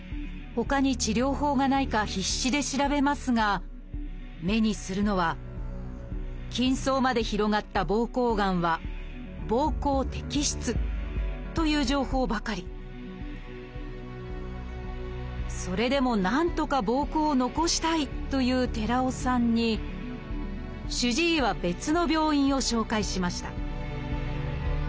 ほかに治療法がないか必死で調べますが目にするのは「筋層まで広がった膀胱がんは膀胱摘出」という情報ばかりそれでもなんとか膀胱を残したいという寺尾さんに主治医は別の病院を紹介しました